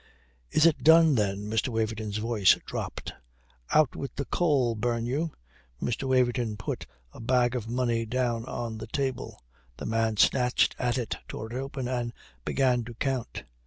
"Is it done then?" Mr. Waverton's voice dropped. "Out with the cole, burn you." Mr. Waverton put a bag of money down on the table. The man snatched at it, tore it open, and began to count.